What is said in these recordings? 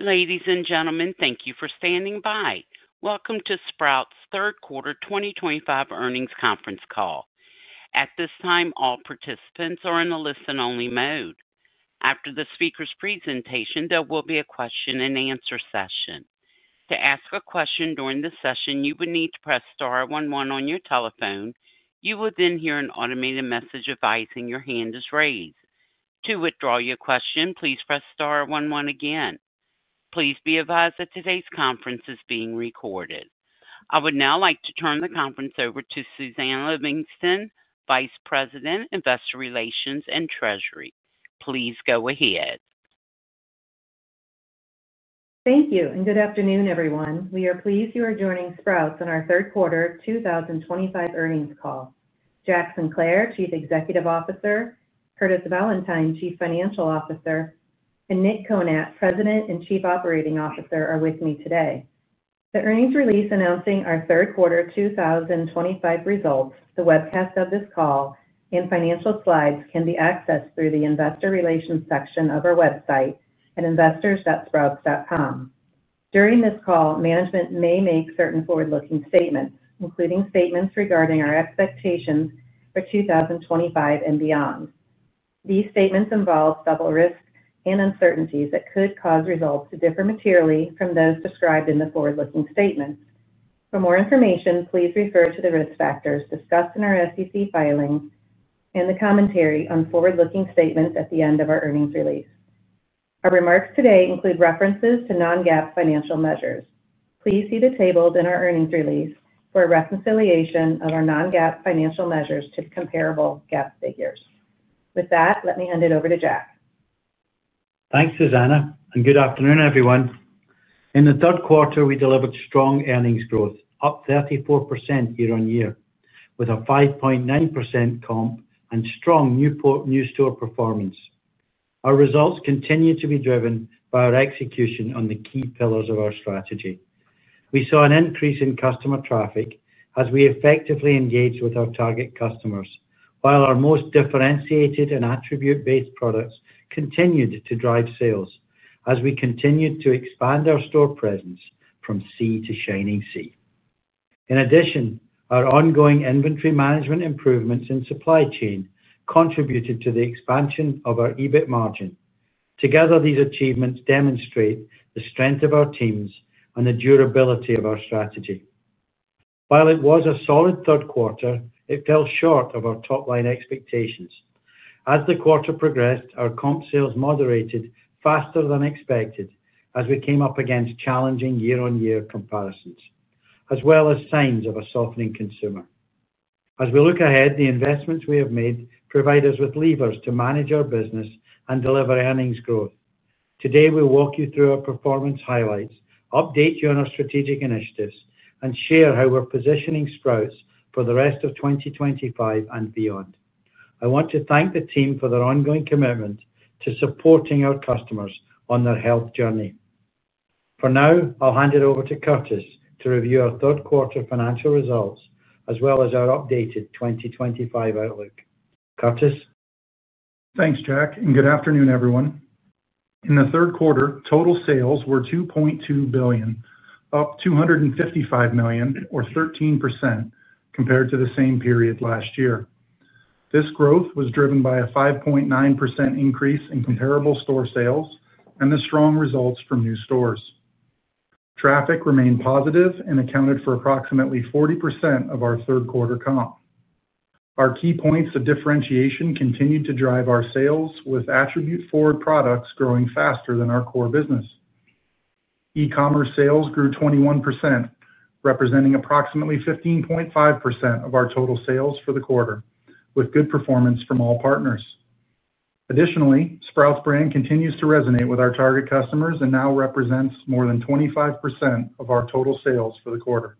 Ladies and gentlemen, thank you for standing by. Welcome to Sprouts Farmers Market's third quarter 2025 earnings conference call. At this time, all participants are in a listen-only mode. After the speaker's presentation, there will be a question and answer session. To ask a question during the session, you would need to press star 11 on your telephone. You will then hear an automated message advising your hand is raised. To withdraw your question, please press star 11 again. Please be advised that today's conference is being recorded. I would now like to turn the conference over to Susannah Livingston, Vice President, Investor Relations and Treasury. Please go ahead. Thank you, and good afternoon, everyone. We are pleased you are joining Sprouts Farmers Market on our third quarter 2025 earnings call. Jack Sinclair, Chief Executive Officer; Curtis Valentine, Chief Financial Officer; and Nick Konat, President and Chief Operating Officer, are with me today. The earnings release announcing our third quarter 2025 results, the webcast of this call, and financial slides can be accessed through the Investor Relations section of our website at investors.sprouts.com. During this call, management may make certain forward-looking statements, including statements regarding our expectations for 2025 and beyond. These statements involve several risks and uncertainties that could cause results to differ materially from those described in the forward-looking statements. For more information, please refer to the risk factors discussed in our SEC filings and the commentary on forward-looking statements at the end of our earnings release. Our remarks today include references to non-GAAP financial measures. Please see the tables in our earnings release for a reconciliation of our non-GAAP financial measures to comparable GAAP figures. With that, let me hand it over to Jack. Thanks, Susannah, and good afternoon, everyone. In the third quarter, we delivered strong earnings growth, up 34% year-on-year, with a 5.9% comp and strong new store performance. Our results continue to be driven by our execution on the key pillars of our strategy. We saw an increase in customer traffic as we effectively engaged with our target customers, while our most differentiated and attribute-based products continued to drive sales as we continued to expand our store presence from Sea to Shining Sea. In addition, our ongoing inventory management improvements in supply chain contributed to the expansion of our EBIT margin. Together, these achievements demonstrate the strength of our teams and the durability of our strategy. While it was a solid third quarter, it fell short of our top-line expectations. As the quarter progressed, our comp sales moderated faster than expected as we came up against challenging year-on-year comparisons, as well as signs of a softening consumer. As we look ahead, the investments we have made provide us with levers to manage our business and deliver earnings growth. Today, we'll walk you through our performance highlights, update you on our strategic initiatives, and share how we're positioning Sprouts Farmers Market for the rest of 2025 and beyond. I want to thank the team for their ongoing commitment to supporting our customers on their health journey. For now, I'll hand it over to Curtis to review our third quarter financial results, as well as our updated 2025 outlook. Curtis? Thanks, Jack, and good afternoon, everyone. In the third quarter, total sales were $2.2 billion, up $255 million, or 13% compared to the same period last year. This growth was driven by a 5.9% increase in comparable store sales and the strong results from new stores. Traffic remained positive and accounted for approximately 40% of our third quarter comp. Our key points of differentiation continued to drive our sales, with attribute-forward products growing faster than our core business. E-commerce sales grew 21%, representing approximately 15.5% of our total sales for the quarter, with good performance from all partners. Additionally, Sprouts Brand continues to resonate with our target customers and now represents more than 25% of our total sales for the quarter.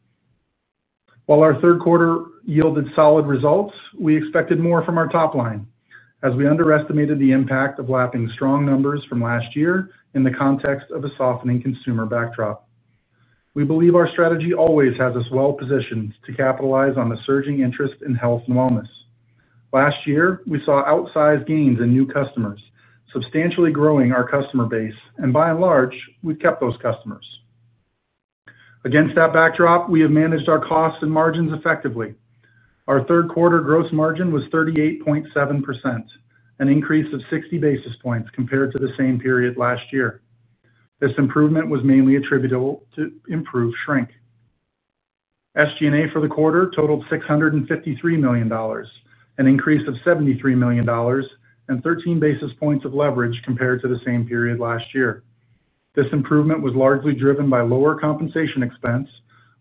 While our third quarter yielded solid results, we expected more from our top line as we underestimated the impact of lapping strong numbers from last year in the context of a softening consumer backdrop. We believe our strategy always has us well-positioned to capitalize on the surging interest in health and wellness. Last year, we saw outsized gains in new customers, substantially growing our customer base, and by and large, we've kept those customers. Against that backdrop, we have managed our costs and margins effectively. Our third quarter gross margin was 38.7%, an increase of 60 basis points compared to the same period last year. This improvement was mainly attributable to improved shrink. SG&A for the quarter totaled $653 million, an increase of $73 million and 13 basis points of leverage compared to the same period last year. This improvement was largely driven by lower compensation expense,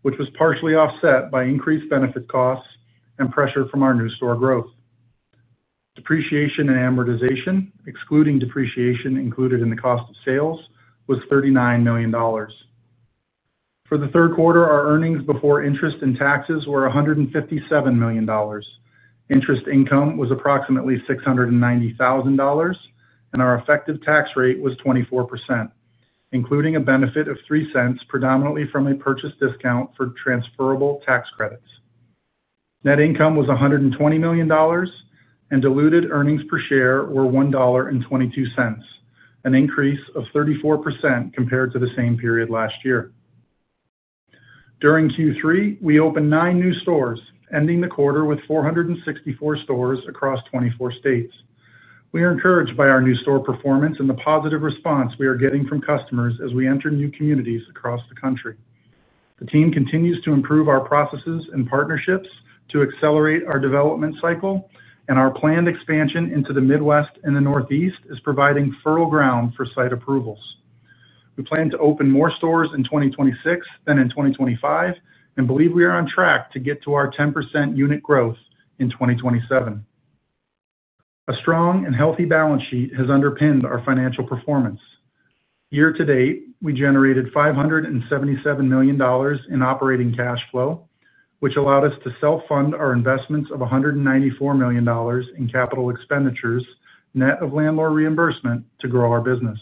which was partially offset by increased benefit costs and pressure from our new store growth. Depreciation and amortization, excluding depreciation included in the cost of sales, was $39 million. For the third quarter, our earnings before interest and taxes were $157 million. Interest income was approximately $0.69 million, and our effective tax rate was 24%, including a benefit of $0.03 predominantly from a purchase discount for transferable tax credits. Net income was $120 million, and diluted earnings per share were $1.22, an increase of 34% compared to the same period last year. During Q3, we opened nine new stores, ending the quarter with 464 stores across 24 states. We are encouraged by our new store performance and the positive response we are getting from customers as we enter new communities across the country. The team continues to improve our processes and partnerships to accelerate our development cycle, and our planned expansion into the Midwest and the Northeast is providing fertile ground for site approvals. We plan to open more stores in 2026 than in 2025 and believe we are on track to get to our 10% unit growth in 2027. A strong and healthy balance sheet has underpinned our financial performance. Year to date, we generated $577 million in operating cash flow, which allowed us to self-fund our investments of $194 million in capital expenditures, net of landlord reimbursement, to grow our business.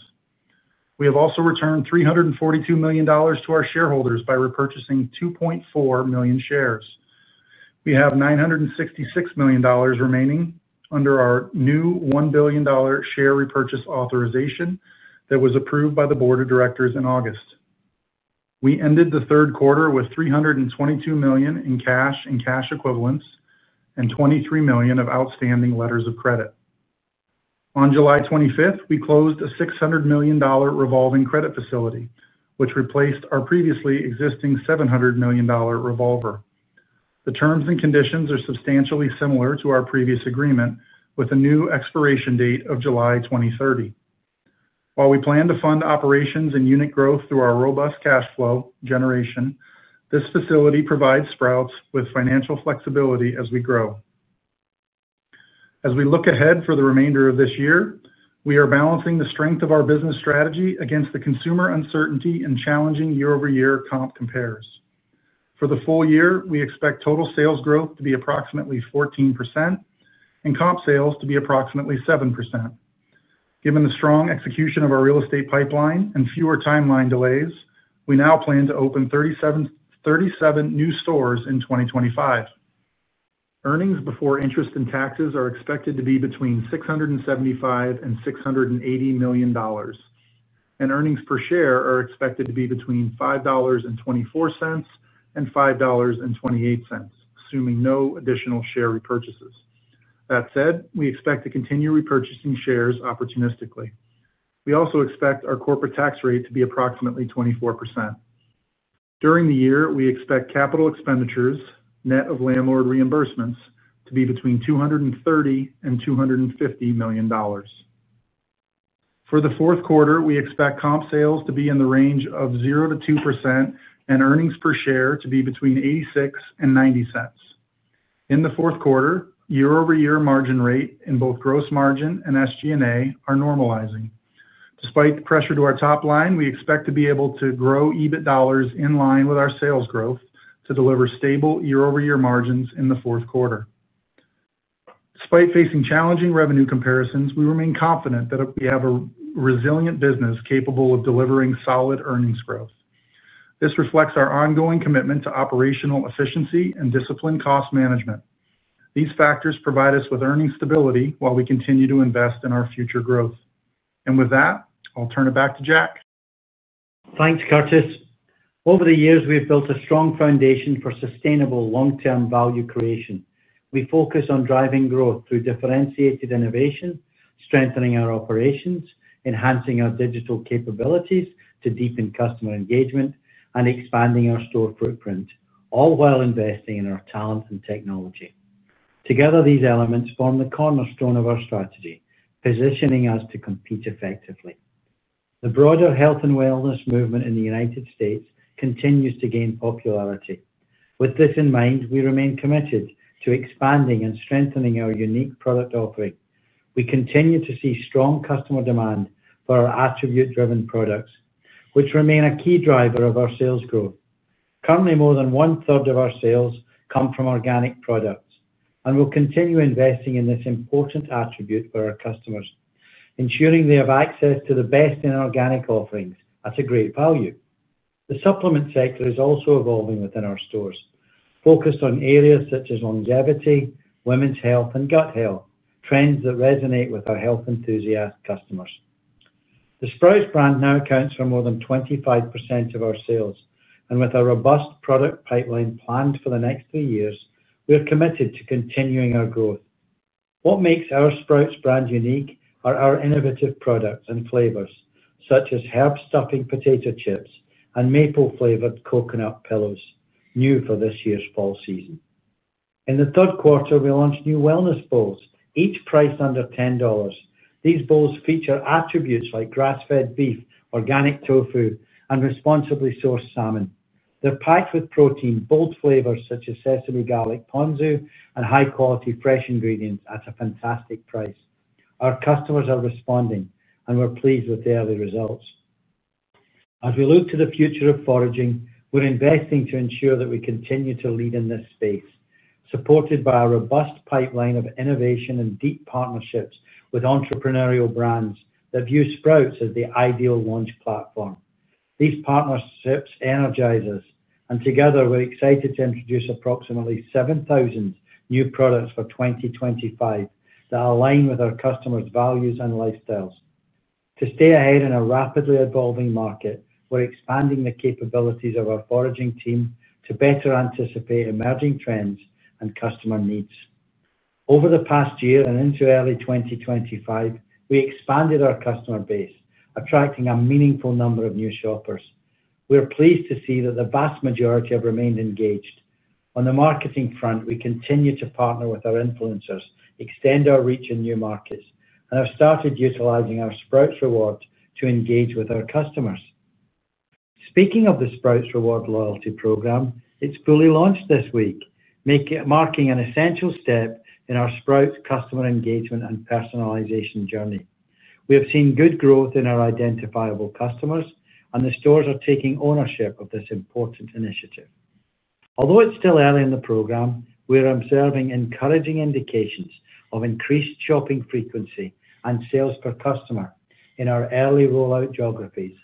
We have also returned $342 million to our shareholders by repurchasing 2.4 million shares. We have $966 million remaining under our new $1 billion share repurchase authorization that was approved by the Board of Directors in August. We ended the third quarter with $322 million in cash and cash equivalents and $23 million of outstanding letters of credit. On July 25, we closed a $600 million revolving credit facility, which replaced our previously existing $700 million revolver. The terms and conditions are substantially similar to our previous agreement, with a new expiration date of July 2030. While we plan to fund operations and unit growth through our robust cash flow generation, this facility provides Sprouts with financial flexibility as we grow. As we look ahead for the remainder of this year, we are balancing the strength of our business strategy against the consumer uncertainty and challenging year-over-year comp compares. For the full year, we expect total sales growth to be approximately 14% and comp sales to be approximately 7%. Given the strong execution of our real estate pipeline and fewer timeline delays, we now plan to open 37 new stores in 2025. Earnings before interest and taxes are expected to be between $675 and $680 million, and earnings per share are expected to be between $5.24 and $5.28, assuming no additional share repurchases. That said, we expect to continue repurchasing shares opportunistically. We also expect our corporate tax rate to be approximately 24%. During the year, we expect capital expenditures, net of landlord reimbursements, to be between $230 and $250 million. For the fourth quarter, we expect comp sales to be in the range of 0% to 2% and earnings per share to be between $0.86 and $0.90. In the fourth quarter, year-over-year margin rate in both gross margin and SG&A are normalizing. Despite the pressure to our top line, we expect to be able to grow EBIT dollars in line with our sales growth to deliver stable year-over-year margins in the fourth quarter. Despite facing challenging revenue comparisons, we remain confident that we have a resilient business capable of delivering solid earnings growth. This reflects our ongoing commitment to operational efficiency and disciplined cost management. These factors provide us with earning stability while we continue to invest in our future growth. I'll turn it back to Jack. Thanks, Curtis. Over the years, we have built a strong foundation for sustainable long-term value creation. We focus on driving growth through differentiated innovation, strengthening our operations, enhancing our digital capabilities to deepen customer engagement, and expanding our store footprint, all while investing in our talent and technology. Together, these elements form the cornerstone of our strategy, positioning us to compete effectively. The broader health and wellness movement in the U.S. continues to gain popularity. With this in mind, we remain committed to expanding and strengthening our unique product offering. We continue to see strong customer demand for our attribute-driven products, which remain a key driver of our sales growth. Currently, more than one-third of our sales come from organic products, and we'll continue investing in this important attribute for our customers, ensuring they have access to the best organic offerings at a great value. The supplement sector is also evolving within our stores, focused on areas such as longevity, women's health, and gut health, trends that resonate with our health-enthusiast customers. The Sprouts Brand now accounts for more than 25% of our sales, and with a robust product pipeline planned for the next three years, we are committed to continuing our growth. What makes our Sprouts Brand unique are our innovative products and flavors, such as herb stuffing potato chips and maple-flavored coconut pillows, new for this year's fall season. In the third quarter, we launched new wellness bowls, each priced under $10. These bowls feature attributes like grass-fed beef, organic tofu, and responsibly sourced salmon. They're packed with protein, bold flavors such as sesame, garlic, ponzu, and high-quality fresh ingredients at a fantastic price. Our customers are responding, and we're pleased with the early results. As we look to the future of foraging, we're investing to ensure that we continue to lead in this space, supported by a robust pipeline of innovation and deep partnerships with entrepreneurial brands that view Sprouts Farmers Market as the ideal launch platform. These partnerships energize us, and together, we're excited to introduce approximately 7,000 new products for 2025 that align with our customers' values and lifestyles. To stay ahead in a rapidly evolving market, we're expanding the capabilities of our foraging team to better anticipate emerging trends and customer needs. Over the past year and into early 2025, we expanded our customer base, attracting a meaningful number of new shoppers. We're pleased to see that the vast majority have remained engaged. On the marketing front, we continue to partner with our influencers, extend our reach in new markets, and have started utilizing our Sprouts Rewards to engage with our customers. Speaking of the Sprouts Rewards loyalty program, it's fully launched this week, marking an essential step in our Sprouts customer engagement and personalization journey. We have seen good growth in our identifiable customers, and the stores are taking ownership of this important initiative. Although it's still early in the program, we're observing encouraging indications of increased shopping frequency and sales per customer in our early rollout geographies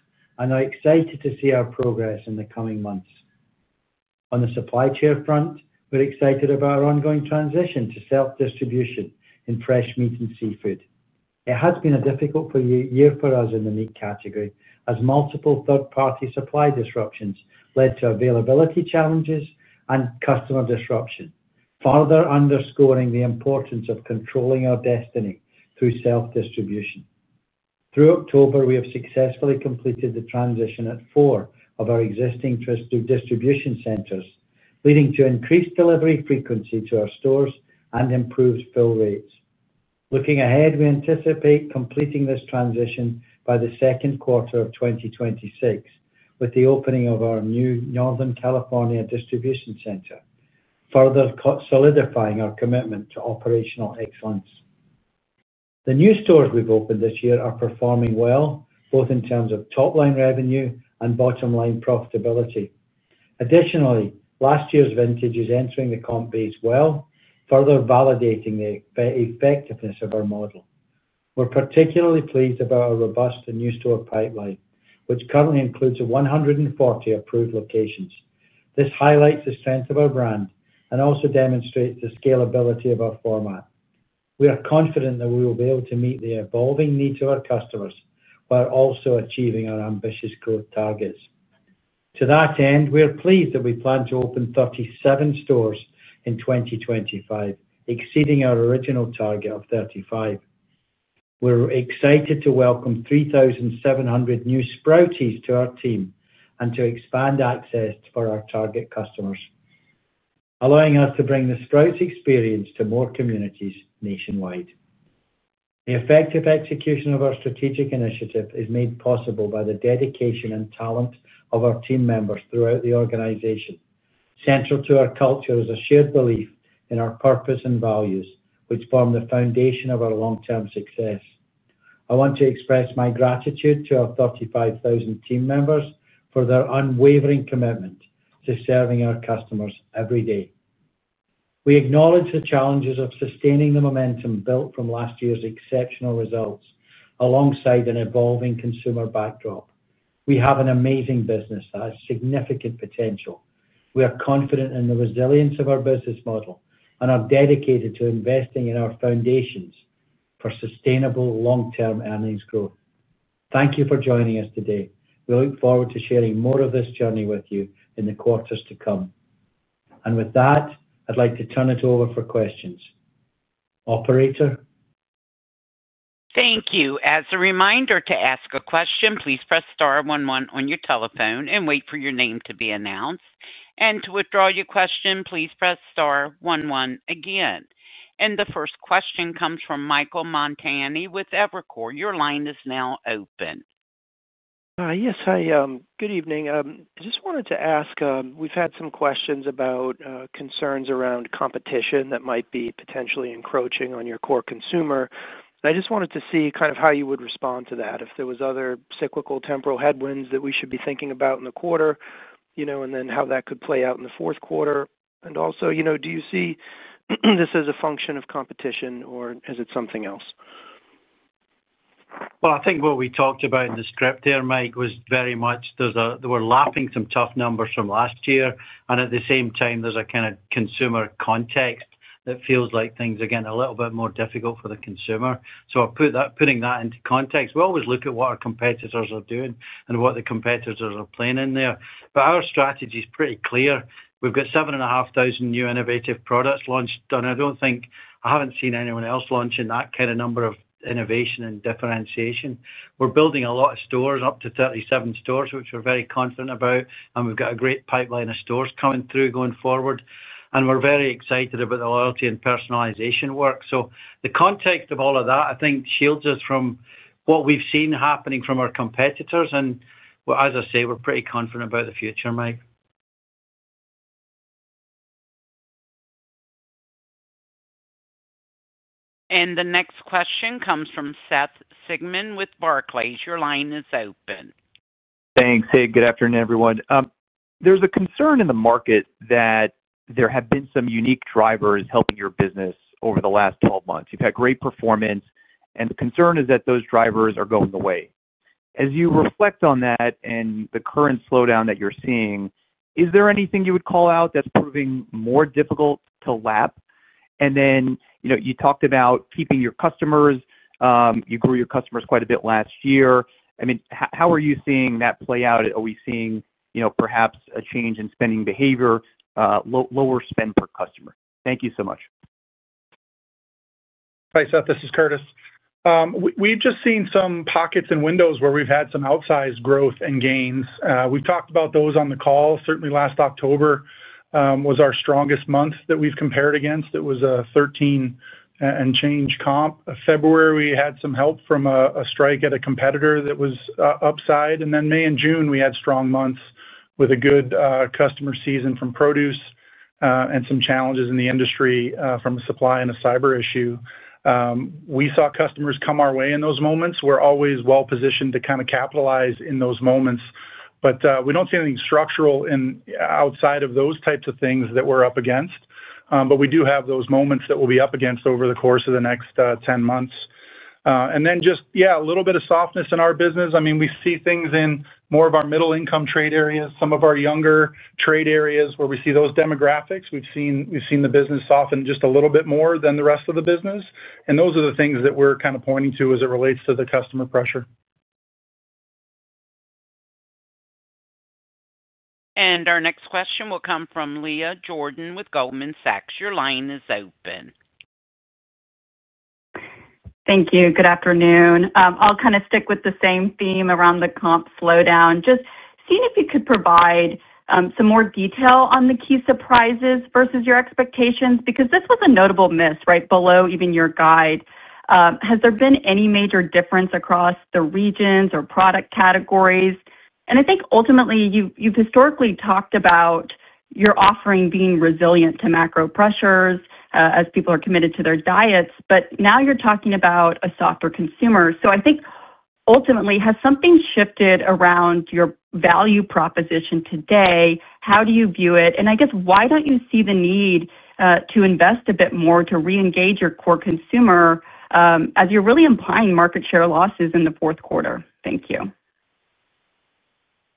and are excited to see our progress in the coming months. On the supply chain front, we're excited about our ongoing transition to self-distribution in fresh meat and seafood. It has been a difficult year for us in the meat category, as multiple third-party supply disruptions led to availability challenges and customer disruption, further underscoring the importance of controlling our destiny through self-distribution. Through October, we have successfully completed the transition at four of our existing distribution centers, leading to increased delivery frequency to our stores and improved fill rates. Looking ahead, we anticipate completing this transition by the second quarter of 2026, with the opening of our new Northern California distribution center, further solidifying our commitment to operational excellence. The new stores we've opened this year are performing well, both in terms of top-line revenue and bottom-line profitability. Additionally, last year's vintage is entering the comp base well, further validating the effectiveness of our model. We're particularly pleased about our robust new store pipeline, which currently includes 140 approved locations. This highlights the strength of our brand and also demonstrates the scalability of our format. We are confident that we will be able to meet the evolving needs of our customers while also achieving our ambitious growth targets. To that end, we are pleased that we plan to open 37 stores in 2025, exceeding our original target of 35. We're excited to welcome 3,700 new Sprouts team members to our team and to expand access for our target customers, allowing us to bring the Sprouts experience to more communities nationwide. The effective execution of our strategic initiative is made possible by the dedication and talent of our team members throughout the organization. Central to our culture is a shared belief in our purpose and values, which form the foundation of our long-term success. I want to express my gratitude to our 35,000 team members for their unwavering commitment to serving our customers every day. We acknowledge the challenges of sustaining the momentum built from last year's exceptional results alongside an evolving consumer backdrop. We have an amazing business that has significant potential. We are confident in the resilience of our business model and are dedicated to investing in our foundations for sustainable long-term earnings growth. Thank you for joining us today. We look forward to sharing more of this journey with you in the quarters to come. With that, I'd like to turn it over for questions. Operator? Thank you. As a reminder, to ask a question, please press star 11 on your telephone and wait for your name to be announced. To withdraw your question, please press star 11 again. The first question comes from Michael Montani with Evercore. Your line is now open. Yes, hi. Good evening. I just wanted to ask, we've had some questions about concerns around competition that might be potentially encroaching on your core consumer. I just wanted to see how you would respond to that, if there were other cyclical temporal headwinds that we should be thinking about in the quarter, you know, and how that could play out in the fourth quarter. Also, do you see this as a function of competition, or is it something else? I think what we talked about in the script there, Mike, was very much there were lapping some tough numbers from last year. At the same time, there's a kind of consumer context that feels like things are getting a little bit more difficult for the consumer. I put that putting that into context. We always look at what our competitors are doing and what the competitors are playing in there. Our strategy is pretty clear. We've got 7,500 new innovative products launched. I don't think I haven't seen anyone else launching that kind of number of innovation and differentiation. We're building a lot of stores, up to 37 stores, which we're very confident about, and we've got a great pipeline of stores coming through going forward. We're very excited about the loyalty and personalization work. The context of all of that, I think, shields us from what we've seen happening from our competitors. As I say, we're pretty confident about the future, Mike. The next question comes from Seth Sigman with Barclays. Your line is open. Thanks, Seth. Good afternoon, everyone. There's a concern in the market that there have been some unique drivers helping your business over the last 12 months. You've had great performance, and the concern is that those drivers are going away. As you reflect on that and the current slowdown that you're seeing, is there anything you would call out that's proving more difficult to lap? You talked about keeping your customers. You grew your customers quite a bit last year. How are you seeing that play out? Are we seeing perhaps a change in spending behavior, lower spend per customer? Thank you so much. Hi, Seth. This is Curtis. We've just seen some pockets and windows where we've had some outsized growth and gains. We've talked about those on the call. Certainly, last October was our strongest month that we've compared against. It was a 13% and change comp. In February, we had some help from a strike at a competitor that was upside. In May and June, we had strong months with a good customer season from produce and some challenges in the industry from a supply and a cyber issue. We saw customers come our way in those moments. We're always well-positioned to kind of capitalize in those moments. We don't see anything structural outside of those types of things that we're up against. We do have those moments that we'll be up against over the course of the next 10 months. Just, yeah, a little bit of softness in our business. We see things in more of our middle-income trade areas, some of our younger trade areas where we see those demographics. We've seen the business soften just a little bit more than the rest of the business. Those are the things that we're kind of pointing to as it relates to the customer pressure. Our next question will come from Leah Jordan with Goldman Sachs. Your line is open. Thank you. Good afternoon. I'll kind of stick with the same theme around the comp slowdown. Just seeing if you could provide some more detail on the key surprises versus your expectations, because this was a notable miss right below even your guide. Has there been any major difference across the regions or product categories? I think, ultimately, you've historically talked about your offering being resilient to macro pressures as people are committed to their diets. Now you're talking about a softer consumer. I think, ultimately, has something shifted around your value proposition today? How do you view it? I guess, why don't you see the need to invest a bit more to re-engage your core consumer as you're really implying market share losses in the fourth quarter? Thank you.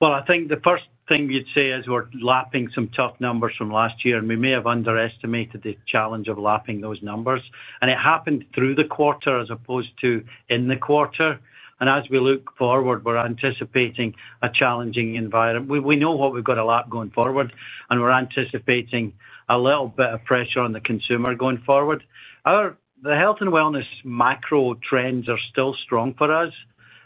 I think the first thing you'd say is we're lapping some tough numbers from last year. We may have underestimated the challenge of lapping those numbers. It happened through the quarter as opposed to in the quarter. As we look forward, we're anticipating a challenging environment. We know what we've got to lap going forward. We're anticipating a little bit of pressure on the consumer going forward. The health and wellness macro trends are still strong for us.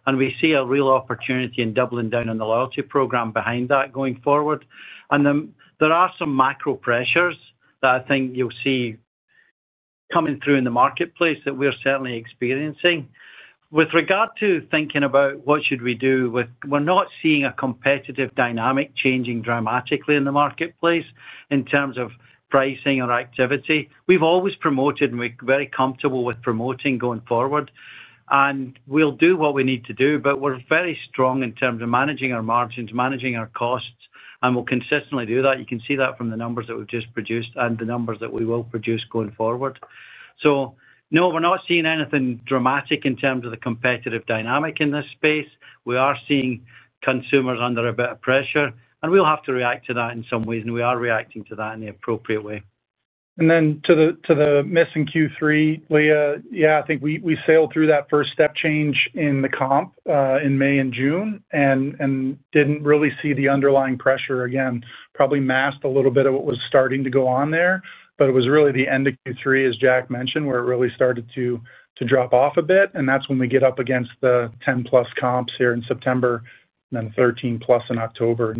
We see a real opportunity in doubling down on the loyalty program behind that going forward. There are some macro pressures that I think you'll see coming through in the marketplace that we're certainly experiencing. With regard to thinking about what should we do, we're not seeing a competitive dynamic changing dramatically in the marketplace in terms of pricing or activity. We've always promoted, and we're very comfortable with promoting going forward. We'll do what we need to do. We're very strong in terms of managing our margins, managing our costs. We'll consistently do that. You can see that from the numbers that we've just produced and the numbers that we will produce going forward. No, we're not seeing anything dramatic in terms of the competitive dynamic in this space. We are seeing consumers under a bit of pressure. We'll have to react to that in some ways. We are reacting to that in the appropriate way. To the miss in Q3, Leah, yeah, I think we sailed through that first step change in the comp in May and June and didn't really see the underlying pressure again, probably masked a little bit of what was starting to go on there. It was really the end of Q3, as Jack mentioned, where it really started to drop off a bit. That's when we get up against the 10% plus comps here in September and then the 13% plus in October.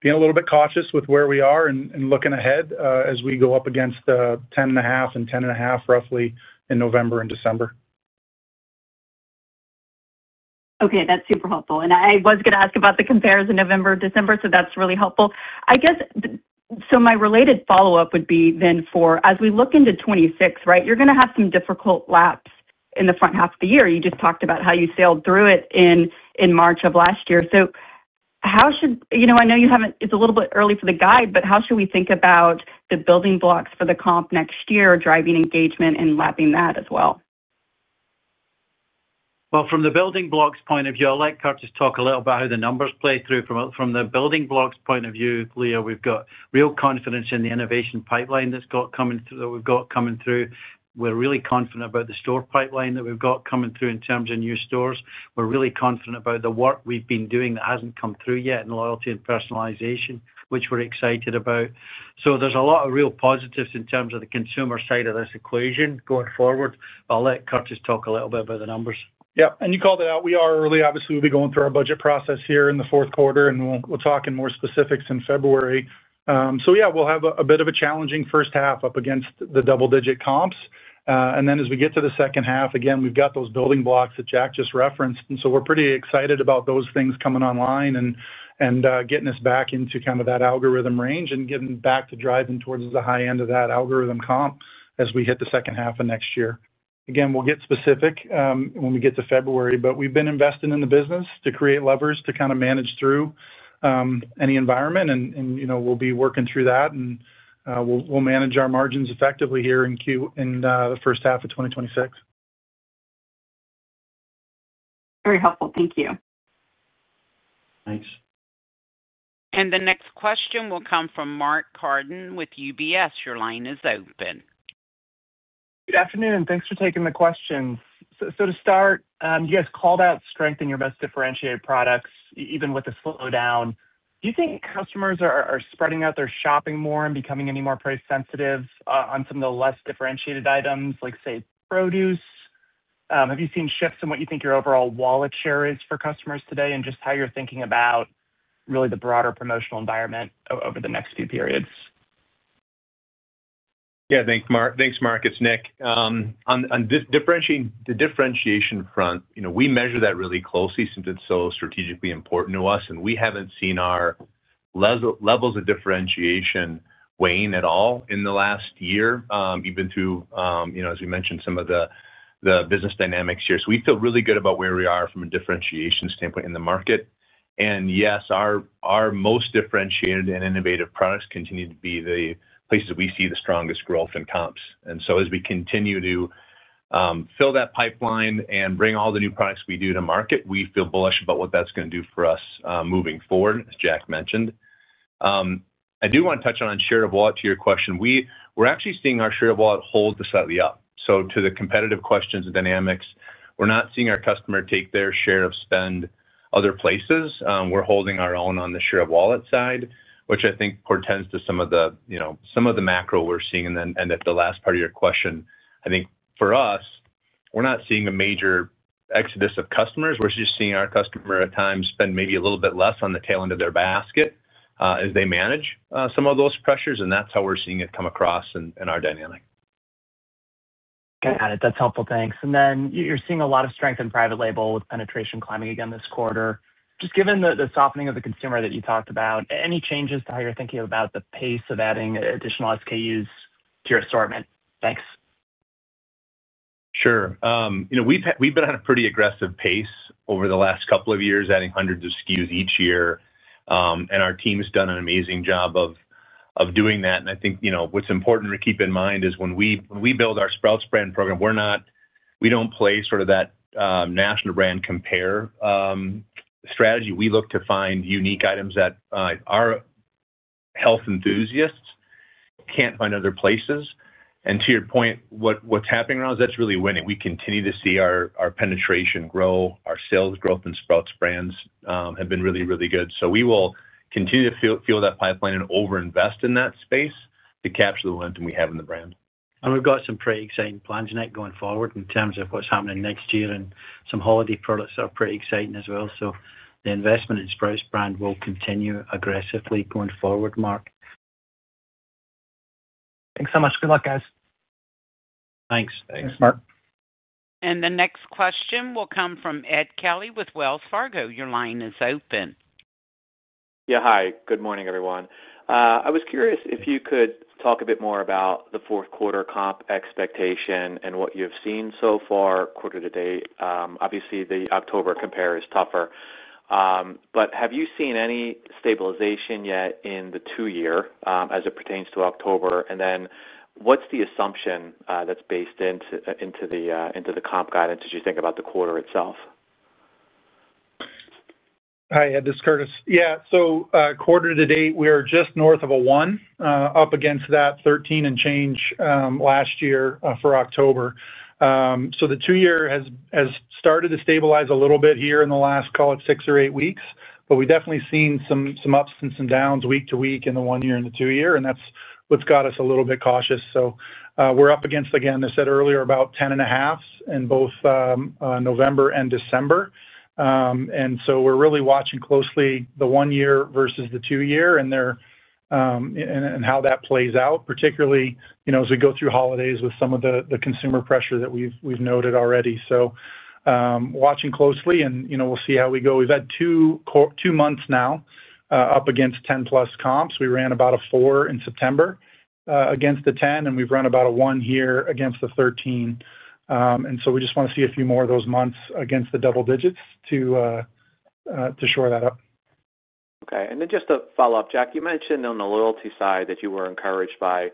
Being a little bit cautious with where we are and looking ahead as we go up against the 10.5% and 10.5% roughly in November and December. OK, that's super helpful. I was going to ask about the comparison November-December. That's really helpful. I guess, my related follow-up would be then for as we look into 2026, right, you're going to have some difficult laps in the front half of the year. You just talked about how you sailed through it in March of last year. How should, you know, I know you haven't, it's a little bit early for the guide, but how should we think about the building blocks for the comp next year driving engagement and lapping that as well? From the building blocks point of view, I'll let Curtis talk a little about how the numbers play through. From the building blocks point of view, Leah, we've got real confidence in the innovation pipeline that's coming through that we've got coming through. We're really confident about the store pipeline that we've got coming through in terms of new stores. We're really confident about the work we've been doing that hasn't come through yet in loyalty and personalization, which we're excited about. There's a lot of real positives in terms of the consumer side of this equation going forward. I'll let Curtis talk a little bit about the numbers. Yeah, and you called it out. We are early. Obviously, we'll be going through our budget process here in the fourth quarter, and we'll talk in more specifics in February. We'll have a bit of a challenging first half up against the double-digit comps. As we get to the second half, we've got those building blocks that Jack just referenced. We're pretty excited about those things coming online and getting us back into kind of that algorithm range and getting back to driving towards the high end of that algorithm comp as we hit the second half of next year. We'll get specific when we get to February. We've been investing in the business to create levers to kind of manage through any environment. We'll be working through that, and we'll manage our margins effectively here in the first half of 2026. Very helpful. Thank you. Thanks. The next question will come from Mark Carden with UBS. Your line is open. Good afternoon. Thanks for taking the questions. To start, you guys called out strength in your best differentiated products, even with the slowdown. Do you think customers are spreading out their shopping more and becoming any more price sensitive on some of the less differentiated items, like, say, produce? Have you seen shifts in what you think your overall wallet share is for customers today and just how you're thinking about really the broader promotional environment over the next few periods? Yeah, thanks, Mark. It's Nick. On the differentiation front, we measure that really closely since it's so strategically important to us. We haven't seen our levels of differentiation wane at all in the last year, even through, as we mentioned, some of the business dynamics here. We feel really good about where we are from a differentiation standpoint in the market. Yes, our most differentiated and innovative products continue to be the places we see the strongest growth in comps. As we continue to fill that pipeline and bring all the new products we do to market, we feel bullish about what that's going to do for us moving forward, as Jack mentioned. I do want to touch on share of wallet. To your question, we're actually seeing our share of wallet hold slightly up. To the competitive questions and dynamics, we're not seeing our customer take their share of spend other places. We're holding our own on the share of wallet side, which I think portends to some of the macro we're seeing. At the last part of your question, I think for us, we're not seeing a major exodus of customers. We're just seeing our customer at times spend maybe a little bit less on the tail end of their basket as they manage some of those pressures. That's how we're seeing it come across in our dynamic. Got it. That's helpful. Thanks. You're seeing a lot of strength in private label with penetration climbing again this quarter. Just given the softening of the consumer that you talked about, any changes to how you're thinking about the pace of adding additional SKUs to your assortment? Thanks. Sure. We've been at a pretty aggressive pace over the last couple of years, adding hundreds of SKUs each year. Our team has done an amazing job of doing that. I think what's important to keep in mind is when we build our Sprouts Brand program, we don't play sort of that national brand compare strategy. We look to find unique items that our health enthusiasts can't find other places. To your point, what's happening around us, that's really winning. We continue to see our penetration grow, our sales growth in Sprouts Brand has been really, really good. We will continue to fuel that pipeline and overinvest in that space to capture the momentum we have in the brand. We have some pretty exciting plans, Nick, going forward in terms of what's happening next year and some holiday products that are pretty exciting as well. The investment in Sprouts Brand will continue aggressively going forward, Mark. Thanks so much. Good luck, guys. Thanks. Thanks, Mark. The next question will come from Edward Kelly with Wells Fargo. Your line is open. Yeah, hi. Good morning, everyone. I was curious if you could talk a bit more about the fourth quarter comp expectation and what you've seen so far quarter to date. Obviously, the October compare is tougher. Have you seen any stabilization yet in the two-year as it pertains to October? What's the assumption that's based into the comp guidance as you think about the quarter itself? Hi, Ed. This is Curtis. Yeah, so quarter to date, we are just north of a 1, up against that 13 and change last year for October. The two-year has started to stabilize a little bit here in the last, call it, six or eight weeks. We've definitely seen some ups and some downs week to week in the one-year and the two-year. That's what's got us a little bit cautious. We're up against, again, I said earlier, about 10.5 in both November and December. We're really watching closely the one-year versus the two-year and how that plays out, particularly as we go through holidays with some of the consumer pressure that we've noted already. Watching closely, and we'll see how we go. We've had two months now up against 10-plus comps. We ran about a 4 in September against the 10. We've run about a 1 here against the 13. We just want to see a few more of those months against the double digits to shore that up. OK. Just to follow up, Jack, you mentioned on the loyalty side that you were encouraged by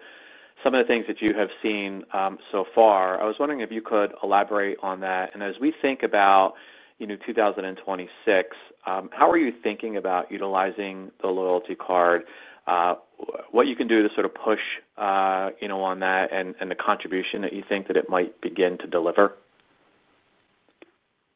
some of the things that you have seen so far. I was wondering if you could elaborate on that. As we think about 2026, how are you thinking about utilizing the loyalty card, what you can do to sort of push on that and the contribution that you think that it might begin to deliver?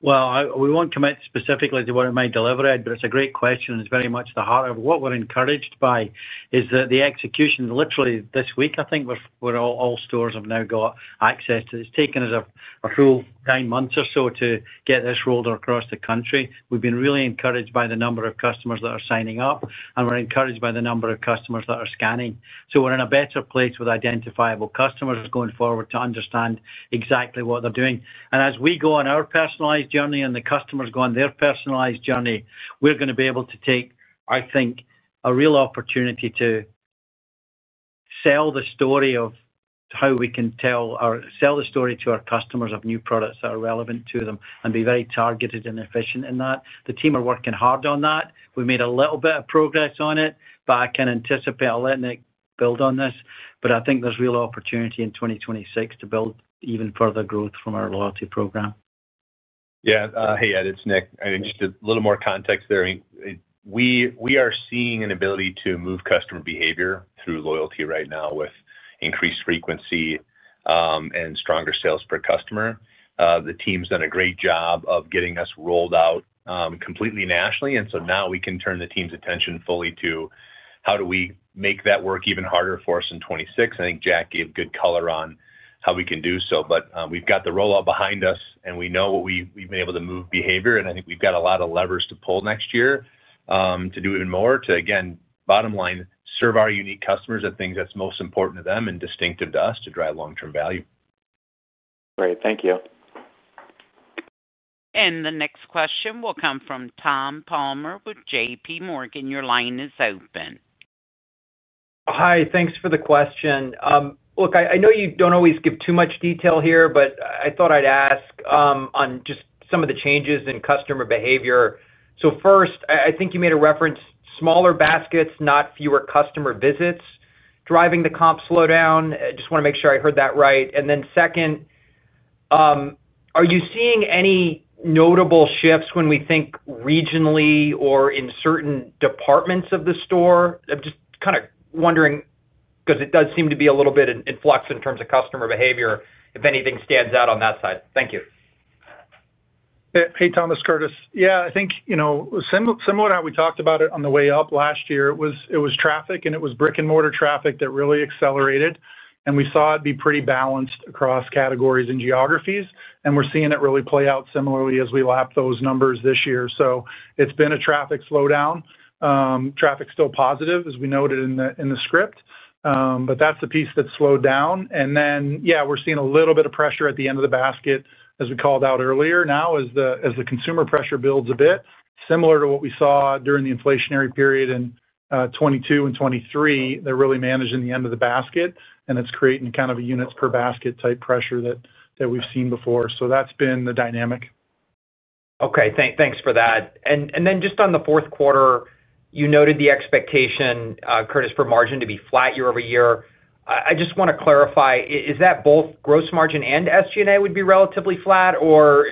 We won't commit specifically to what it may deliver, Ed, but it's a great question. It's very much the heart of what we're encouraged by is that the execution literally this week, I think, where all stores have now got access to it. It's taken us a full nine months or so to get this rolled across the country. We've been really encouraged by the number of customers that are signing up, and we're encouraged by the number of customers that are scanning. We're in a better place with identifiable customers going forward to understand exactly what they're doing. As we go on our personalized journey and the customers go on their personalized journey, we're going to be able to take, I think, a real opportunity to sell the story of how we can tell or sell the story to our customers of new products that are relevant to them and be very targeted and efficient in that. The team are working hard on that. We've made a little bit of progress on it. I can anticipate I'll let Nick build on this, but I think there's real opportunity in 2026 to build even further growth from our loyalty program. Yeah. Hey, Ed. It's Nick. I think just a little more context there. We are seeing an ability to move customer behavior through loyalty right now with increased frequency and stronger sales per customer. The team's done a great job of getting us rolled out completely nationally. Now we can turn the team's attention fully to how do we make that work even harder for us in 2026. I think Jack gave good color on how we can do so. We've got the rollout behind us. We know we've been able to move behavior. I think we've got a lot of levers to pull next year to do even more, to, again, bottom line, serve our unique customers at things that's most important to them and distinctive to us to drive long-term value. Great, thank you. The next question will come from Tom Palmer with J.P. Morgan. Your line is open. Hi. Thanks for the question. I know you don't always give too much detail here, but I thought I'd ask on just some of the changes in customer behavior. First, I think you made a reference to smaller baskets, not fewer customer visits driving the comp slowdown. I just want to make sure I heard that right. Second, are you seeing any notable shifts when we think regionally or in certain departments of the store? I'm just kind of wondering because it does seem to be a little bit in flux in terms of customer behavior, if anything stands out on that side. Thank you. Yeah, I think you know similar to how we talked about it on the way up last year, it was traffic. It was brick-and-mortar traffic that really accelerated, and we saw it be pretty balanced across categories and geographies. We're seeing it really play out similarly as we lap those numbers this year. It's been a traffic slowdown. Traffic's still positive, as we noted in the script, but that's the piece that's slowed down. We're seeing a little bit of pressure at the end of the basket, as we called out earlier. Now, as the consumer pressure builds a bit, similar to what we saw during the inflationary period in 2022 and 2023, they're really managing the end of the basket. It's creating kind of a units per basket type pressure that we've seen before. That's been the dynamic. OK. Thanks for that. Just on the fourth quarter, you noted the expectation, Curtis, for margin to be flat year over year. I just want to clarify, is that both gross margin and SG&A would be relatively flat? Or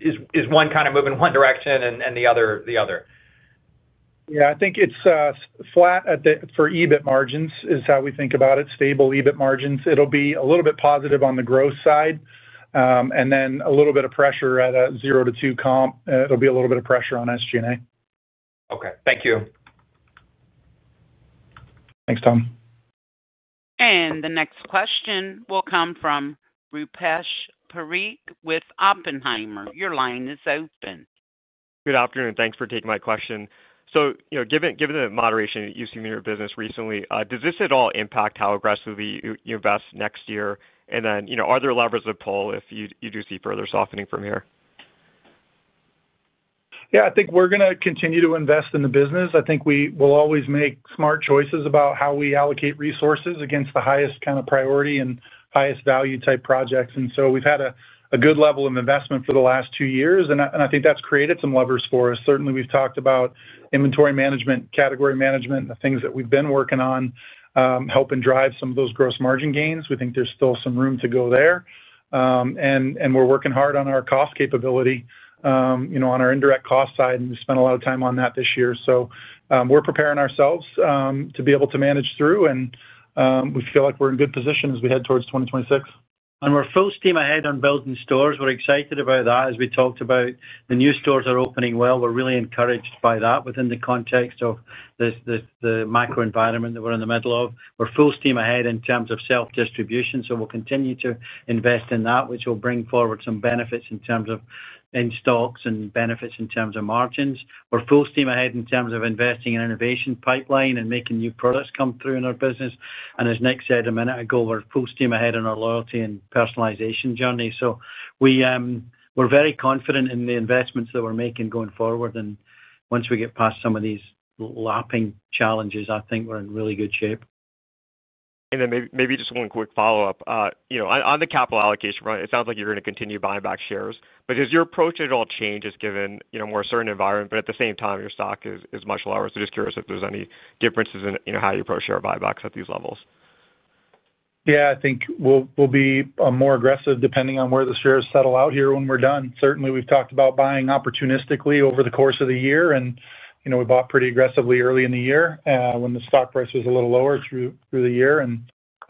is one kind of moving one direction and the other the other? Yeah, I think it's flat for EBIT margins is how we think about it, stable EBIT margins. It'll be a little bit positive on the gross side, and then a little bit of pressure at a 0% to 2% comp. It'll be a little bit of pressure on SG&A. OK, thank you. Thanks, Tom. The next question will come from Rupesh Parikh with Oppenheimer. Your line is open. Good afternoon. Thanks for taking my question. Given the moderation you've seen in your business recently, does this at all impact how aggressively you invest next year? Are there levers to pull if you do see further softening from here? Yeah, I think we're going to continue to invest in the business. I think we will always make smart choices about how we allocate resources against the highest kind of priority and highest value type projects. We've had a good level of investment for the last two years, and I think that's created some levers for us. Certainly, we've talked about inventory management, category management, and the things that we've been working on helping drive some of those gross margin gains. We think there's still some room to go there. We're working hard on our cost capability on our indirect cost side, and we spent a lot of time on that this year. We're preparing ourselves to be able to manage through, and we feel like we're in good position as we head towards 2026. We're full steam ahead on building stores. We're excited about that. As we talked about, the new stores are opening well. We're really encouraged by that within the context of the macro environment that we're in the middle of. We're full steam ahead in terms of self-distribution. We'll continue to invest in that, which will bring forward some benefits in terms of in stocks and benefits in terms of margins. We're full steam ahead in terms of investing in innovation pipeline and making new products come through in our business. As Nick said a minute ago, we're full steam ahead in our loyalty and personalization journey. We're very confident in the investments that we're making going forward. Once we get past some of these lapping challenges, I think we're in really good shape. Maybe just one quick follow-up. On the capital allocation front, it sounds like you're going to continue buying back shares. Does your approach at all change given a more certain environment? At the same time, your stock is much lower. I'm just curious if there's any differences in how you approach share buybacks at these levels. I think we'll be more aggressive depending on where the shares settle out here when we're done. Certainly, we've talked about buying opportunistically over the course of the year. We bought pretty aggressively early in the year when the stock price was a little lower through the year.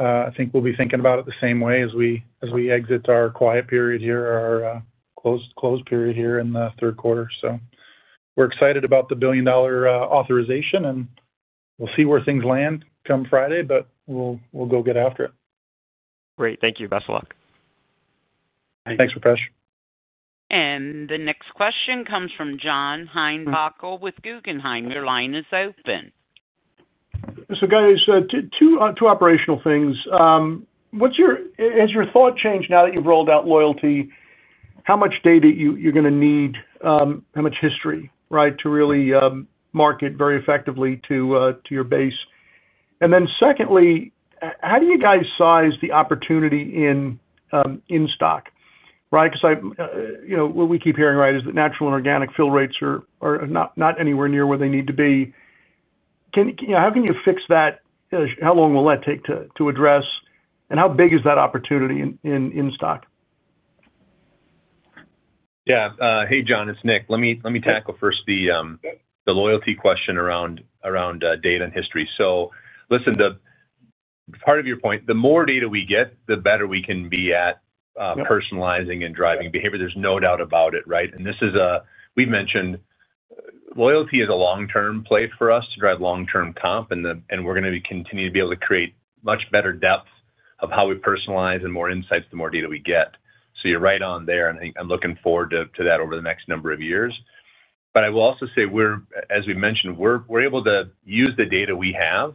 I think we'll be thinking about it the same way as we exit our quiet period here, our closed period here in the third quarter. We're excited about the $1 billion authorization. We'll see where things land come Friday. We'll go get after it. Great. Thank you. Best of luck. Thanks, Rupesh. The next question comes from John Heinbockel with Guggenheim Securities. Your line is open. Two operational things. What's your, has your thought changed now that you've rolled out loyalty? How much data you're going to need, how much history, right, to really market very effectively to your base? Secondly, how do you guys size the opportunity in stock, right? Because what we keep hearing, right, is that natural and organic fill rates are not anywhere near where they need to be. How can you fix that? How long will that take to address? How big is that opportunity in stock? Yeah. Hey, John. It's Nick. Let me tackle first the loyalty question around data and history. Listen, to your point, the more data we get, the better we can be at personalizing and driving behavior. There's no doubt about it, right? This is a, we've mentioned loyalty is a long-term play for us to drive long-term comp. We're going to continue to be able to create much better depth of how we personalize and more insights the more data we get. You're right on there. I'm looking forward to that over the next number of years. I will also say, as we mentioned, we're able to use the data we have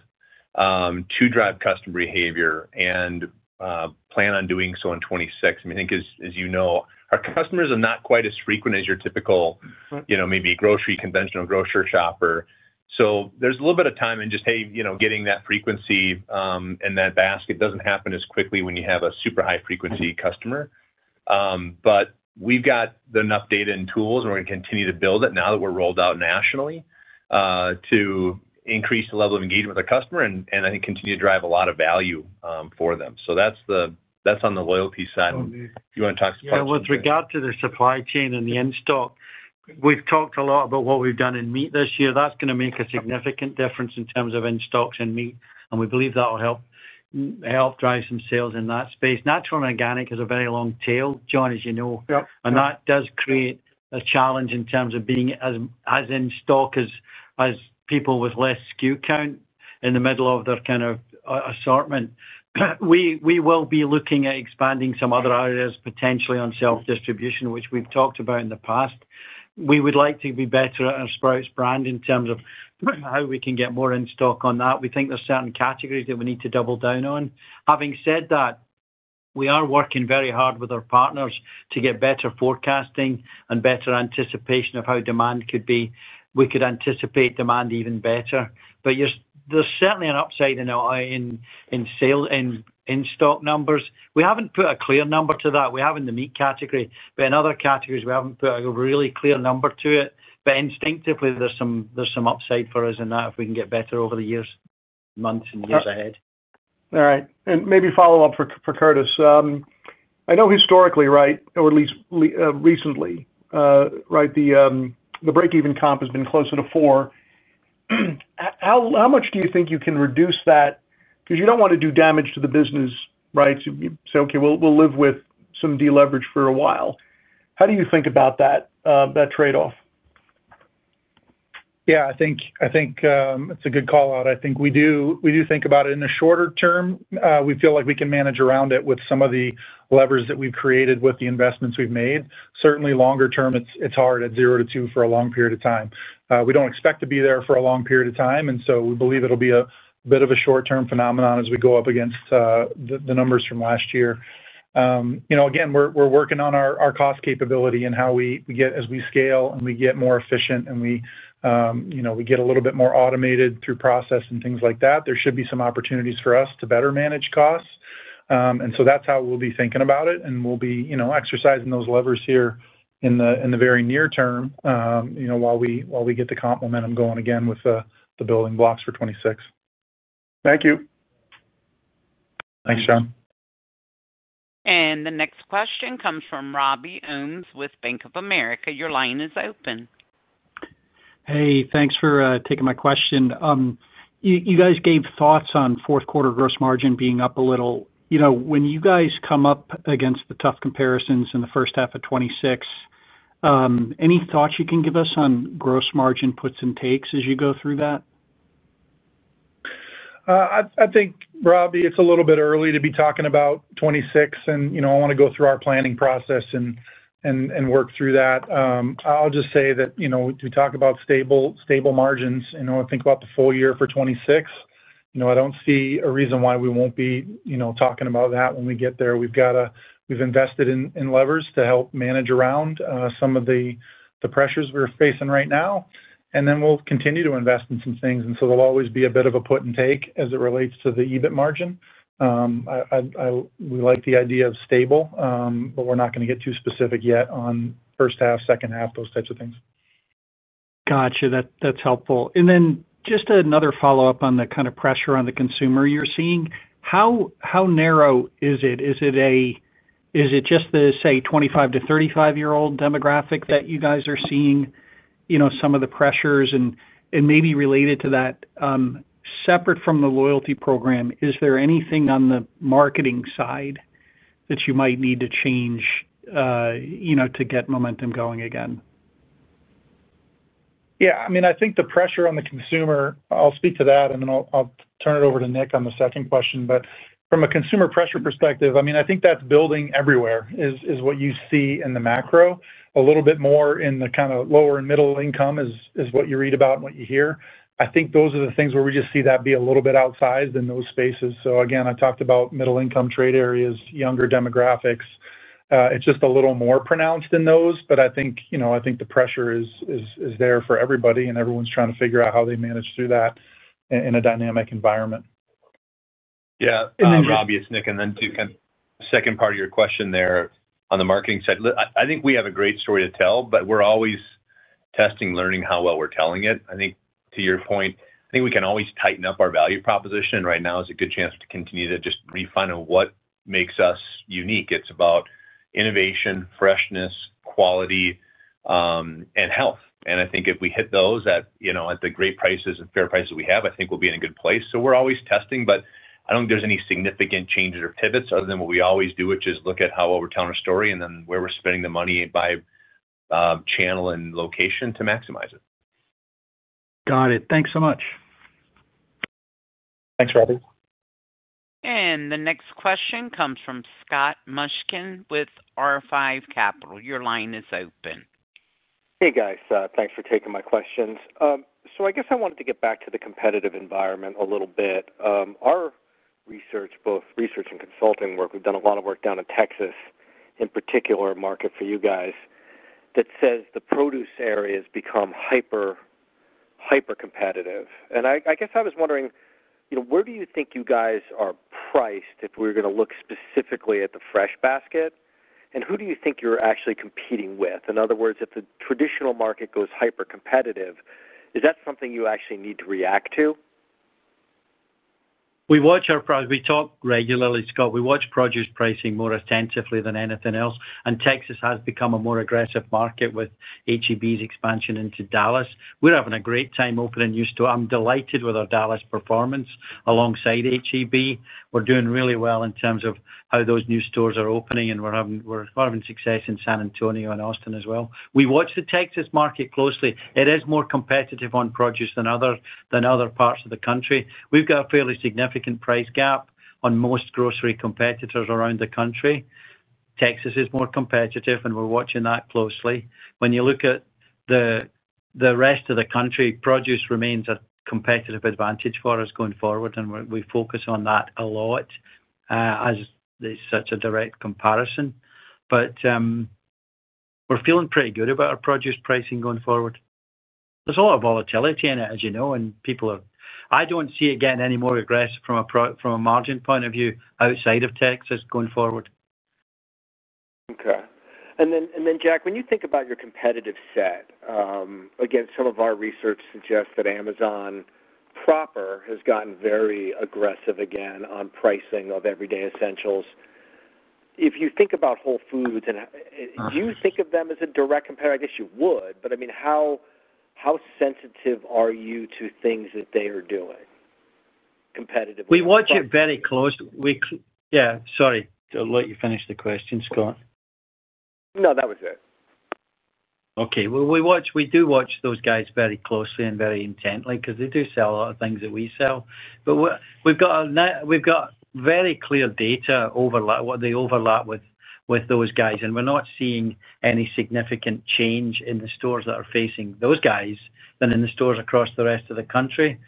to drive customer behavior and plan on doing so in 2026. I think, as you know, our customers are not quite as frequent as your typical, you know, maybe conventional grocery shopper. There's a little bit of time in just, hey, you know, getting that frequency in that basket doesn't happen as quickly when you have a super high-frequency customer. We've got enough data and tools. We're going to continue to build it now that we're rolled out nationally to increase the level of engagement with our customer and, I think, continue to drive a lot of value for them. That's on the loyalty side. You want to talk supply chain? Yeah, with regard to the supply chain and the in-stock, we've talked a lot about what we've done in meat this year. That's going to make a significant difference in terms of in-stocks in meat, and we believe that will help drive some sales in that space. Natural and organic has a very long tail, John, as you know. That does create a challenge in terms of being as in-stock as people with less SKU count in the middle of their kind of assortment. We will be looking at expanding some other areas potentially on self-distribution, which we've talked about in the past. We would like to be better at our Sprouts Brand in terms of how we can get more in stock on that. We think there's certain categories that we need to double down on. Having said that, we are working very hard with our partners to get better forecasting and better anticipation of how demand could be. We could anticipate demand even better. There's certainly an upside in sale in-stock numbers. We haven't put a clear number to that. We have in the meat category. In other categories, we haven't put a really clear number to it. Instinctively, there's some upside for us in that if we can get better over the months and years ahead. All right. Maybe follow up for Curtis. I know historically, or at least recently, the break-even comp has been closer to 4%. How much do you think you can reduce that? You don't want to do damage to the business, right? You say, OK, we'll live with some deleverage for a while. How do you think about that trade-off? Yeah, I think it's a good call out. We do think about it in the shorter term. We feel like we can manage around it with some of the levers that we've created with the investments we've made. Certainly, longer term, it's hard at 0% to 2% for a long period of time. We don't expect to be there for a long period of time. We believe it'll be a bit of a short-term phenomenon as we go up against the numbers from last year. Again, we're working on our cost capability and how we get as we scale and we get more efficient and we get a little bit more automated through process and things like that. There should be some opportunities for us to better manage costs. That's how we'll be thinking about it. We'll be exercising those levers here in the very near term while we get the comp momentum going again with the building blocks for 2026. Thank you. Thanks, John. The next question comes from Robbie Ohmes with Bank of America. Your line is open. Hey, thanks for taking my question. You guys gave thoughts on fourth quarter gross margin being up a little. When you guys come up against the tough comparisons in the first half of 2026, any thoughts you can give us on gross margin puts and takes as you go through that? I think, Robbie, it's a little bit early to be talking about 2026. I want to go through our planning process and work through that. I'll just say that we talk about stable margins. I think about the full year for 2026. I don't see a reason why we won't be talking about that when we get there. We've invested in levers to help manage around some of the pressures we're facing right now. We'll continue to invest in some things. There'll always be a bit of a put and take as it relates to the EBIT margin. We like the idea of stable, but we're not going to get too specific yet on first half, second half, those types of things. Gotcha. That's helpful. Just another follow-up on the kind of pressure on the consumer you're seeing. How narrow is it? Is it just the, say, 25 to 35-year-old demographic that you guys are seeing some of the pressures? Maybe related to that, separate from the loyalty program, is there anything on the marketing side that you might need to change to get momentum going again? Yeah, I mean, I think the pressure on the consumer, I'll speak to that. Then I'll turn it over to Nick on the second question. From a consumer pressure perspective, I mean, I think that's building everywhere, is what you see in the macro. A little bit more in the kind of lower and middle income is what you read about and what you hear. I think those are the things where we just see that be a little bit outsized in those spaces. Again, I talked about middle-income trade areas, younger demographics. It's just a little more pronounced in those. I think the pressure is there for everybody, and everyone's trying to figure out how they manage through that in a dynamic environment. Yeah, and then Robbie is Nick. To kind of the second part of your question there on the marketing side, I think we have a great story to tell. We're always testing, learning how well we're telling it. To your point, I think we can always tighten up our value proposition. Right now is a good chance to continue to just refine on what makes us unique. It's about innovation, freshness, quality, and health. I think if we hit those at the great prices and fair prices we have, we'll be in a good place. We're always testing. I don't think there's any significant changes or pivots other than what we always do, which is look at how well we're telling our story and then where we're spending the money by channel and location to maximize it. Got it. Thanks so much. Thanks, Robbie. The next question comes from Scott Mushkin with R5 Capital. Your line is open. Hey, guys. Thanks for taking my questions. I wanted to get back to the competitive environment a little bit. Our research, both research and consulting work, we've done a lot of work down in Texas, in particular a market for you guys that says the produce area has become hyper-competitive. I was wondering, you know, where do you think you guys are priced if we were going to look specifically at the fresh basket? Who do you think you're actually competing with? In other words, if the traditional market goes hyper-competitive, is that something you actually need to react to? We watch our price. We talk regularly, Scott. We watch produce pricing more attentively than anything else. Texas has become a more aggressive market with HEB's expansion into Dallas. We're having a great time opening new stores. I'm delighted with our Dallas performance alongside HEB. We're doing really well in terms of how those new stores are opening, and we're having success in San Antonio and Austin as well. We watch the Texas market closely. It is more competitive on produce than other parts of the country. We've got a fairly significant price gap on most grocery competitors around the country. Texas is more competitive, and we're watching that closely. When you look at the rest of the country, produce remains a competitive advantage for us going forward. We focus on that a lot as there's such a direct comparison. We're feeling pretty good about our produce pricing going forward. There's a lot of volatility in it, as you know. I don't see it getting any more aggressive from a margin point of view outside of Texas going forward. OK. Jack, when you think about your competitive set, some of our research suggests that Amazon Proper has gotten very aggressive again on pricing of everyday essentials. If you think about Whole Foods, do you think of them as a direct competitor? I guess you would. How sensitive are you to things that they are doing competitively? We watch it very closely. Sorry to let you finish the question, Scott. No, that was it. OK. We do watch those guys very closely and very intently because they do sell a lot of things that we sell. We've got very clear data over what they overlap with those guys. We're not seeing any significant change in the stores that are facing those guys than in the stores across the rest of the country.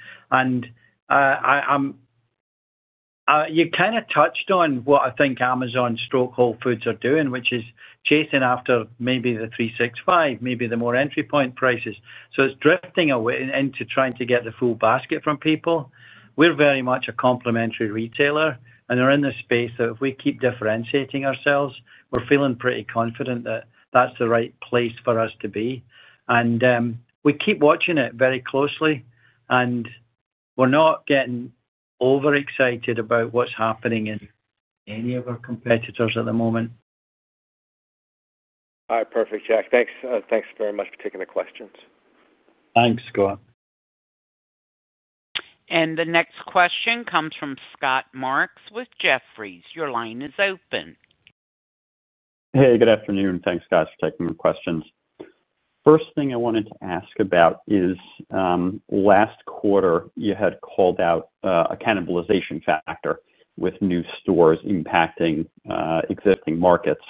You kind of touched on what I think Amazon/Whole Foods are doing, which is chasing after maybe the 365, maybe the more entry point prices. It's drifting away into trying to get the full basket from people. We're very much a complementary retailer, and we're in this space that if we keep differentiating ourselves, we're feeling pretty confident that that's the right place for us to be. We keep watching it very closely, and we're not getting over-excited about what's happening in any of our competitors at the moment. All right. Perfect, Jack. Thanks very much for taking the questions. Thanks, Scott. The next question comes from Scott Mushkin with Jefferies. Your line is open. Hey, good afternoon. Thanks, Scott, for taking my questions. First thing I wanted to ask about is last quarter, you had called out accountabilization factor with new stores impacting existing markets.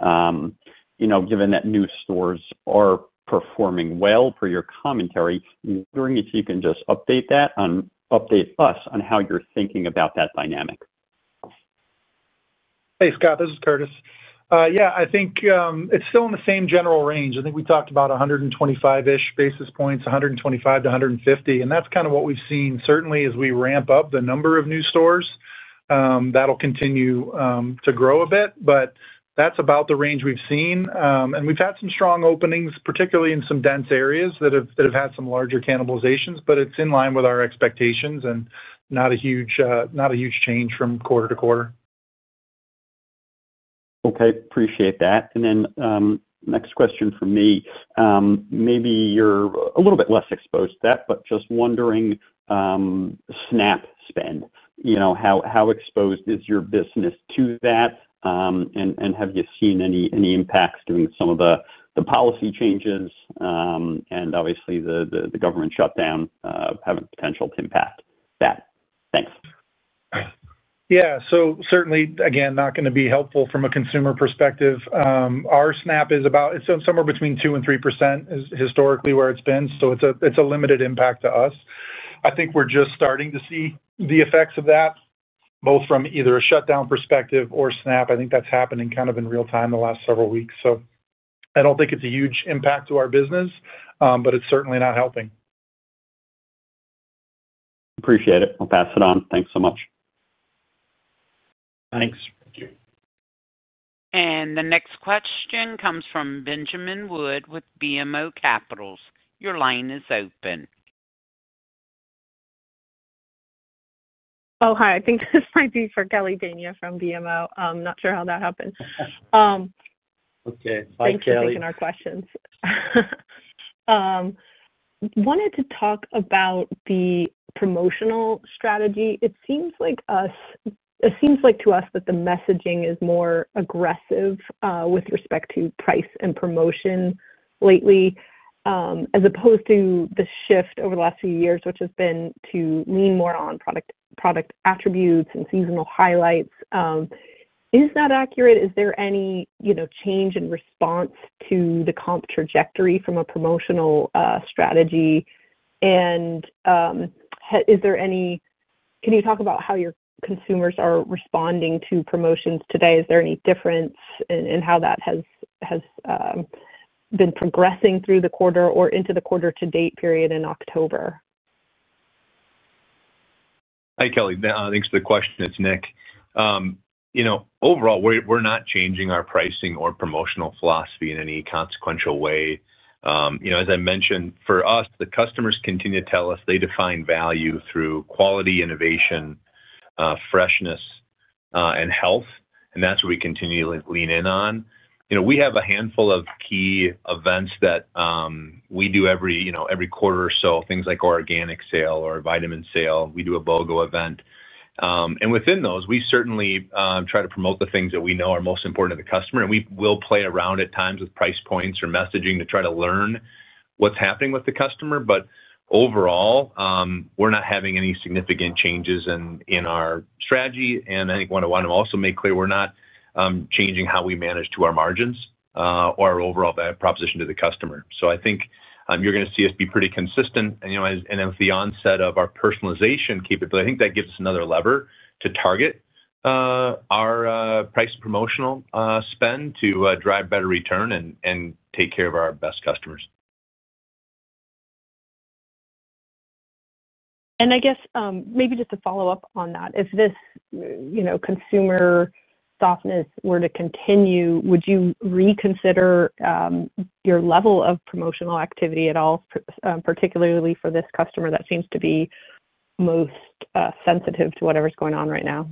Given that new stores are performing well per your commentary, I'm wondering if you can just update us on how you're thinking about that dynamic. Hey, Scott. This is Curtis. Yeah, I think it's still in the same general range. I think we talked about 125-ish basis points, 125 to 150. That's kind of what we've seen. Certainly, as we ramp up the number of new stores, that'll continue to grow a bit. That's about the range we've seen. We've had some strong openings, particularly in some dense areas that have had some larger cannibalizations. It's in line with our expectations and not a huge change from quarter to quarter. OK. Appreciate that. Next question for me. Maybe you're a little bit less exposed to that, but just wondering SNAP spend. You know, how exposed is your business to that? Have you seen any impacts due to some of the policy changes and obviously the government shutdown having the potential to impact that? Thanks. Yeah, certainly, again, not going to be helpful from a consumer perspective. Our SNAP is about somewhere between 2% and 3%, is historically where it's been. It's a limited impact to us. I think we're just starting to see the effects of that, both from either a shutdown perspective or SNAP. I think that's happening kind of in real time the last several weeks. I don't think it's a huge impact to our business. It's certainly not helping. Appreciate it. I'll pass it on. Thanks so much. Thanks. Thank you. The next question comes from Benjamin Wood with BMO Capital Markets. Your line is open. Oh, hi. I think this might be for Kelly Bania from BMO Capital Markets. I'm not sure how that happened. OK. Thank you for taking our questions. I wanted to talk about the promotional strategy. It seems like to us that the messaging is more aggressive with respect to price and promotion lately, as opposed to the shift over the last few years, which has been to lean more on product attributes and seasonal highlights. Is that accurate? Is there any change in response to the comp trajectory from a promotional strategy? Can you talk about how your consumers are responding to promotions today? Is there any difference in how that has been progressing through the quarter or into the quarter-to-date period in October? Hi, Kelly. Thanks for the question. It's Nick. Overall, we're not changing our pricing or promotional philosophy in any consequential way. As I mentioned, for us, the customers continue to tell us they define value through quality, innovation, freshness, and health. That's what we continue to lean in on. We have a handful of key events that we do every quarter or so, things like organic sale or vitamin sale. We do a BOGO event. Within those, we certainly try to promote the things that we know are most important to the customer. We will play around at times with price points or messaging to try to learn what's happening with the customer. Overall, we're not having any significant changes in our strategy. I want to also make clear we're not changing how we manage to our margins or our overall proposition to the customer. I think you're going to see us be pretty consistent. With the onset of our personalization capability, I think that gives us another lever to target our price and promotional spend to drive better return and take care of our best customers. I guess maybe just a follow-up on that. If this consumer softness were to continue, would you reconsider your level of promotional activity at all, particularly for this customer that seems to be most sensitive to whatever's going on right now?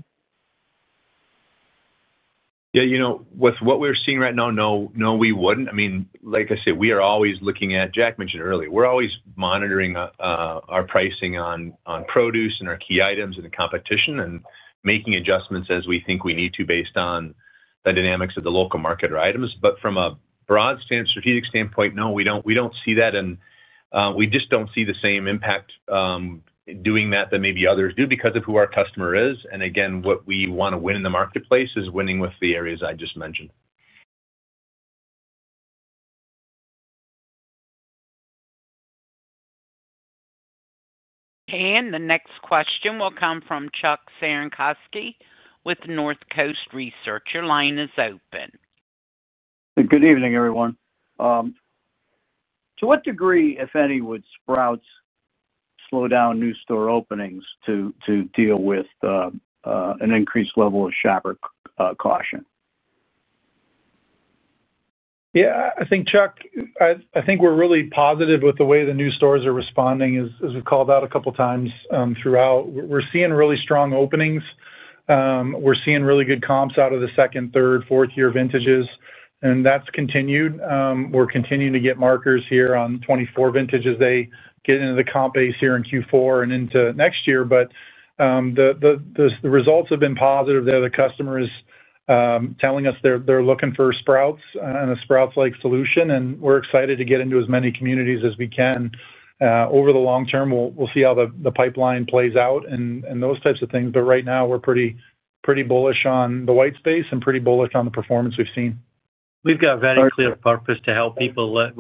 Yeah, you know, with what we're seeing right now, no, we wouldn't. I mean, like I said, we are always looking at, Jack mentioned earlier, we're always monitoring our pricing on produce and our key items and the competition and making adjustments as we think we need to based on the dynamics of the local market or items. From a broad strategic standpoint, no, we don't see that. We just don't see the same impact doing that that maybe others do because of who our customer is. Again, what we want to win in the marketplace is winning with the areas I just mentioned. The next question will come from Chuck Cerankosky with Northcoast Research. Your line is open. Good evening, everyone. To what degree, if any, would Sprouts slow down new store openings to deal with an increased level of shopper caution? Yeah, I think, Chuck, we're really positive with the way the new stores are responding, as we've called out a couple of times throughout. We're seeing really strong openings. We're seeing really good comps out of the second, third, fourth-year vintages. That's continued. We're continuing to get markers here on 2024 vintage as they get into the comp base here in Q4 and into next year. The results have been positive. The customer is telling us they're looking for Sprouts and a Sprouts-like solution. We're excited to get into as many communities as we can. Over the long term, we'll see how the pipeline plays out and those types of things. Right now, we're pretty bullish on the white space and pretty bullish on the performance we've seen. We've got a very clear purpose to help people live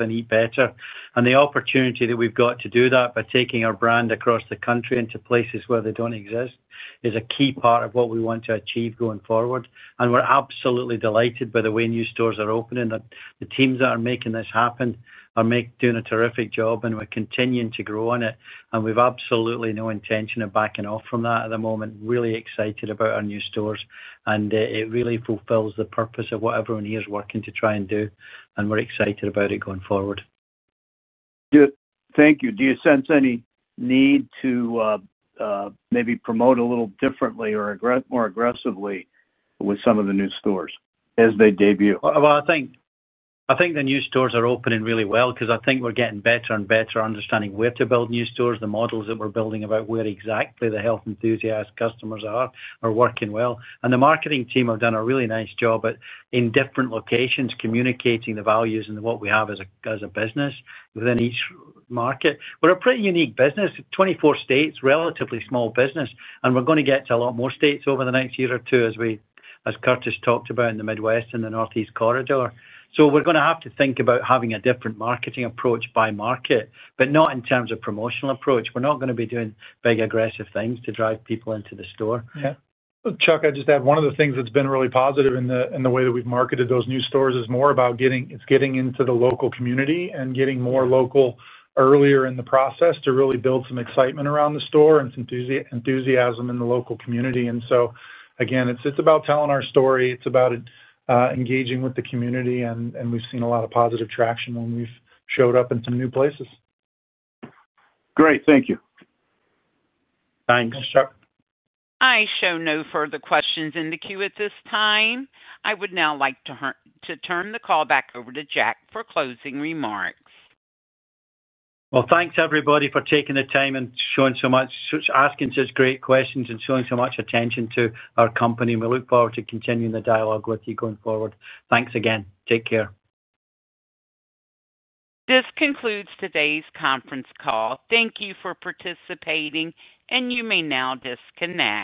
and eat better. The opportunity that we've got to do that by taking our brand across the country into places where they don't exist is a key part of what we want to achieve going forward. We're absolutely delighted by the way new stores are opening. The teams that are making this happen are doing a terrific job. We're continuing to grow on it. We've absolutely no intention of backing off from that at the moment. Really excited about our new stores. It really fulfills the purpose of what everyone here is working to try and do. We're excited about it going forward. Thank you. Do you sense any need to maybe promote a little differently or more aggressively with some of the new stores as they debut? I think the new stores are opening really well because I think we're getting better and better understanding where to build new stores. The models that we're building about where exactly the health enthusiast customers are are working well. The marketing team have done a really nice job in different locations communicating the values and what we have as a business within each market. We're a pretty unique business, 24 states, relatively small business. We're going to get to a lot more states over the next year or two, as Curtis talked about in the Midwest and the Northeast corridor. We're going to have to think about having a different marketing approach by market, but not in terms of promotional approach. We're not going to be doing big aggressive things to drive people into the store. Chuck, I'd just add one of the things that's been really positive in the way that we've marketed those new stores is more about getting into the local community and getting more local earlier in the process to really build some excitement around the store and some enthusiasm in the local community. It's about telling our story. It's about engaging with the community. We've seen a lot of positive traction when we've showed up in some new places. Great, thank you. Thanks. Thanks, Chuck. I show no further questions in the queue at this time. I would now like to turn the call back over to Jack for closing remarks. Thank you, everybody, for taking the time and asking such great questions, and showing so much attention to our company. We look forward to continuing the dialogue with you going forward. Thanks again. Take care. This concludes today's conference call. Thank you for participating. You may now disconnect.